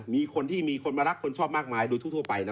มีคนที่มีคนมารักคนชอบมากมายโดยทั่วไปนะ